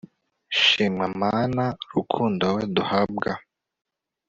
shimwa mana rukundo wowe duhabwa